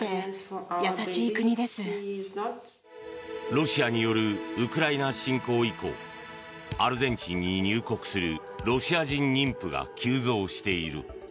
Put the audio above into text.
ロシアによるウクライナ侵攻以降アルゼンチンに入国するロシア人妊婦が急増している。